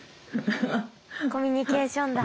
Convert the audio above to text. コミュニケーションだ。